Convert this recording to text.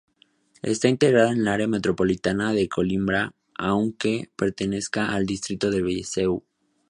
Está integrado en el área Metropolitana de Coímbra, aunque pertenezca al Distrito de Viseu.